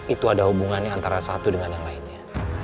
itu ada hubungannya antara satu dengan yang lainnya